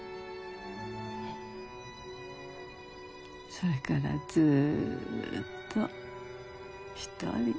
それからずっと一人。